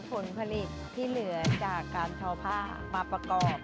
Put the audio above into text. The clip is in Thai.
ผลผลิตที่เหลือจากการทอผ้ามาประกอบ